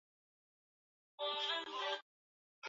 Na baadaye Teal iliunganishwa na Kampuni ya nyingine ya Gallo